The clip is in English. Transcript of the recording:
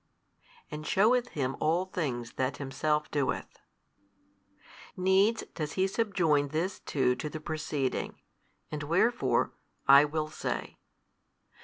and sheweth Him all things that Himself doeth; Needs does He subjoin this too to the preceding; and wherefore, I will say.